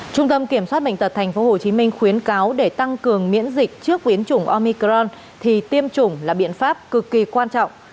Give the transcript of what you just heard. trung tâm kiểm soát bệnh tật tp hcm khuyến cáo để tăng cường miễn dịch trước biến chủng omicron thì tiêm chủng là biện pháp cực kỳ quan trọng